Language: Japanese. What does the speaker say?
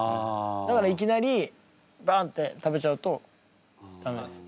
だからいきなりバンって食べちゃうとダメなんです。